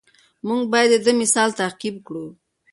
موږ باید د ده مثال تعقیب کړو.